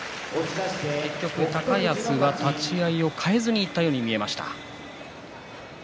高安は立ち合いを変えずにいったように見えました。